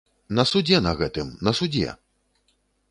На судзе на гэтым, на судзе!